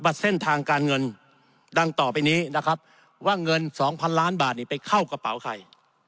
เส้นทางการเงินดังต่อไปนี้นะครับว่าเงิน๒๐๐ล้านบาทนี่ไปเข้ากระเป๋าใคร